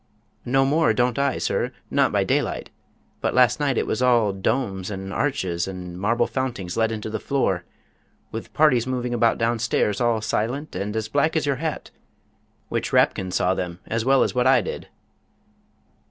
"No more don't I, sir, not by daylight; but last night it was all domes and harches and marble fountings let into the floor, with parties moving about downstairs all silent and as black as your hat which Rapkin saw them as well as what I did."